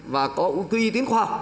và có quy tín khoa học